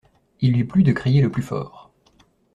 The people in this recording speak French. Il lui plut de crier le plus fort.